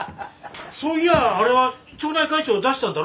そういやあれは町内会長出したんだろ？